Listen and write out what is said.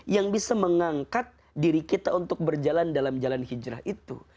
yang bisa mengangkat diri kita untuk berjalan dalam jalan hijrah itu